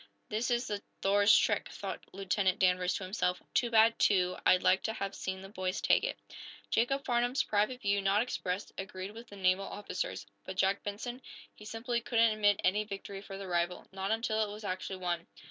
"This is the 'Thor's' trick," thought Lieutenant Danvers to himself. "Too bad, too. I'd like to have seen the boys take it." Jacob Farnum's private view, not expressed, agreed with the naval officer's. But Jack Benson? He simply couldn't admit any victory for the rival not until it was actually won.